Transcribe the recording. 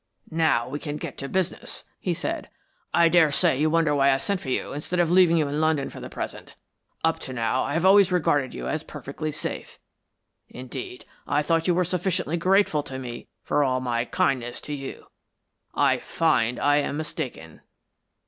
"Now we can get to business," he said. "I daresay you wonder why I sent for you instead of leaving you in London for the present. Up to now I have always regarded you as perfectly safe indeed, I thought you were sufficiently grateful to me for all my kindness to you. I find I am mistaken."